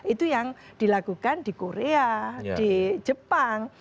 itu yang dilakukan di korea di jepang